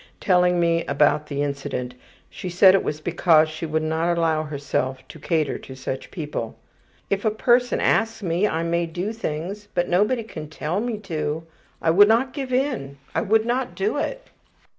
Telling me about the incident, she said it was because she would not allow herself to cater to such people. ``If a person asks me, I may do things, but nobody can tell me to. I would not give in. I would not do it.''